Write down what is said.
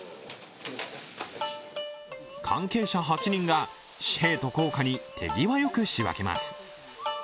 関係者８人が紙幣と硬貨に手際よく仕分けます。